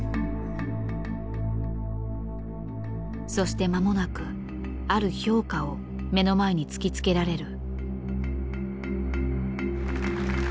そして間もなくある評価を目の前に突きつけられる。